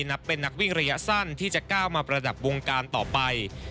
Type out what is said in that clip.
นับเป็นนักวิ่งระยะสั้นที่จะก้าวมาประดับวงการต่อไป